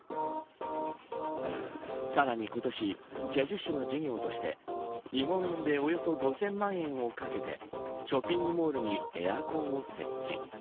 さらに今年、済州市の事業として日本円でおよそ５０００万円をかけてショッピングモールにエアコンを設置。